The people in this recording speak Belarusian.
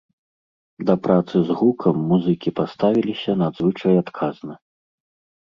Да працы з гукам музыкі паставіліся надзвычай адказна.